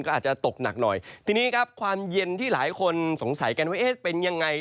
ก็อาจจะตกหนักหน่อยทีนี้ครับความเย็นที่หลายคนสงสัยกันว่าเอ๊ะเป็นยังไง